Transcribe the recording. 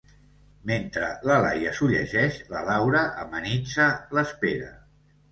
Mentre la Laia s'ho llegeix, la Laura amenitza l'espera.